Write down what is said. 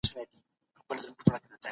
فلسفه د ټولو علومو مور ګڼل کيږي.